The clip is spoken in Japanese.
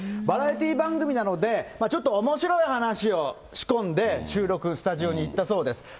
バラエティー番組なので、ちょっとおもしろい話を仕込んで、収録、スタジオに行ったそうです。